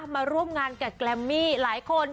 มาร่วมงานกับแกรมมี่หลายคน